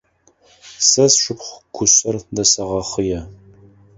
Сэ сшыпхъу кушъэр дэсэгъэхъые.